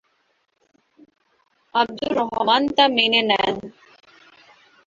আবদুর রহমান তা মেনে নেন।